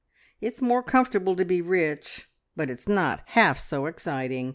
It's more comfortable to be rich, but it's not half so exciting.